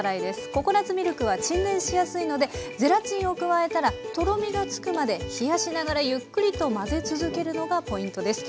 ココナツミルクは沈殿しやすいのでゼラチンを加えたらとろみがつくまで冷やしながらゆっくりと混ぜ続けるのがポイントです。